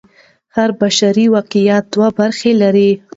هر بشري واقعیت دوې برخې لري.